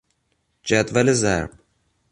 جدول ضرب